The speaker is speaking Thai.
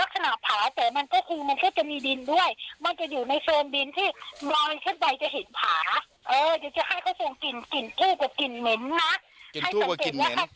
เออเดี๋ยวพี่จะจุดทุมให้